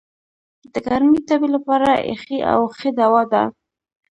د ګرمي تبي لپاره یخي اوبه ښه دوا ده.